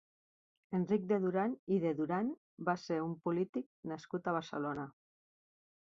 Enric de Duran i de Duran va ser un polític nascut a Barcelona.